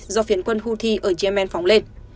do phiền quân houthi ở yemen phóng lên